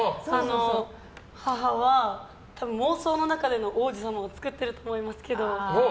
母は妄想の中での王子様を作ってると思いますけど。